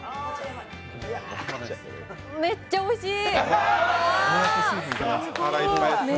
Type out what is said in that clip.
めっちゃおいしい！